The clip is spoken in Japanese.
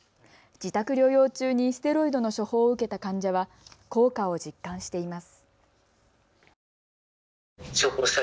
自宅療養中にステロイドの処方を受けた患者は効果を実感しています。